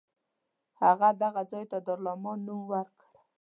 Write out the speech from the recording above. هغه دغه ځای ته دارالامان نوم ورکړ.